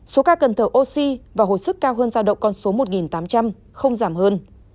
số ca cần thở oxy và hồi sức cao hơn giao động con số một tám trăm linh không giảm hơn